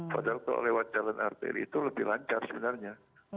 padahal kalau lewat jalan arteri itu lebih lancar sebenarnya